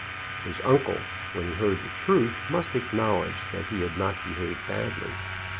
His uncle, when he heard the truth, must acknowledge that he had not behaved badly.